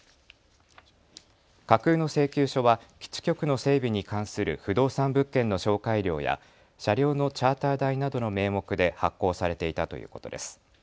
架空の請求書は基地局の整備に関する不動産物件の紹介料や車両のチャーター代などの名目で発行されていたということです。